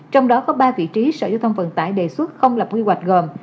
trong đó có ba vị trí sở giao thông vận tải đề xuất không lập quy hoạch gồm